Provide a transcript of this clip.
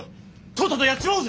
とっととやっちまおうぜ！